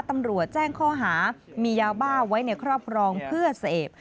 ตำรวจแจ้งข้อหามียาบ้าไว้ในครอบครองเพื่อเสพ